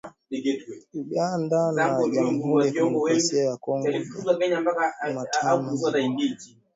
Uganda na Jamhuri ya Kidemokrasia ya Kongo Jumatano ziliongeza operesheni ya pamoja ya kijeshi.